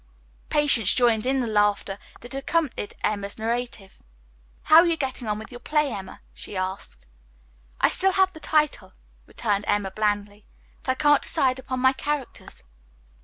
Patience joined in the laughter that had accompanied Emma's narrative. "How are you getting on with your play, Emma?" she asked. "I still have the title," returned Emma blandly, "but I can't decide upon my characters.